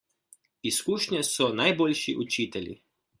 Izkušnje so najboljši učitelji.